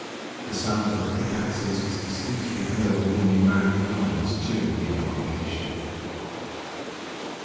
The sound of their pickaxes was distinctly heard within the American lines during the embarkation.